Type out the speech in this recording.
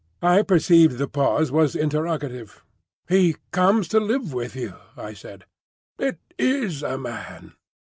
I perceived the pause was interrogative. "He comes to live with you," I said. "It is a man.